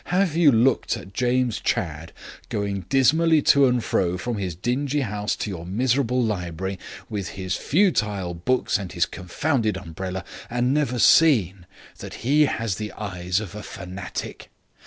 Have you looked at James Chadd going dismally to and fro from his dingy house to your miserable library, with his futile books and his confounded umbrella, and never seen that he has the eyes of a fanatic?